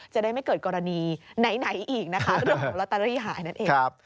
จะได้ไม่เกิดกรณีไหนอีกนะคะเรื่องของลอตเตอรี่หายนั่นเอง